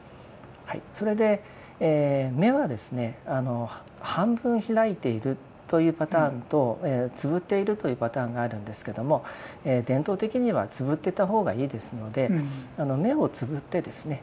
それで目はですね半分開いているというパターンとつぶっているというパターンがあるんですけども伝統的にはつぶってた方がいいですので目をつぶってですね